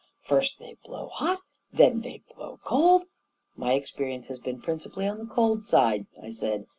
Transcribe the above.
11 First they blow hot — then they blow cold." " My experience has been principally on the cold side," I said.